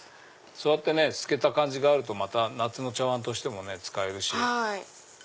そうやって透けた感じがあると夏の茶わんとしても使えるし。